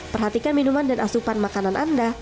perhatikan minuman dan asupan makanan anda